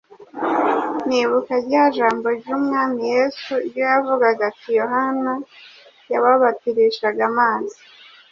Nibuka rya jambo ry’Umwami Yesu iryo yavugaga ati : ‘Yohana yababatirishaga amazi,